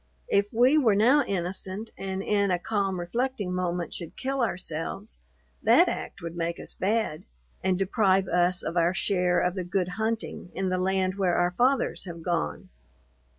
If we were now innocent, and in a calm reflecting moment should kill ourselves, that act would make us bad, and deprive us of our share of the good hunting in the land where our fathers have gone!